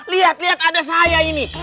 liat liat ada saya ini